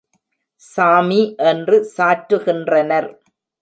சாமி என்று சாற்றுகின்றனர்.